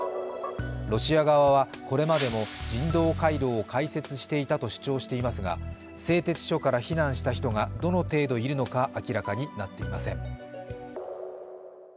ロシア側はこれまえも人道回廊を開設していたと主張していますが製鉄所から避難した人がどの程度いるのか明らかになっていません。